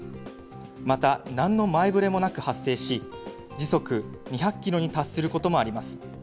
またなんの前触れもなく発生し、時速２００キロに達することもあります。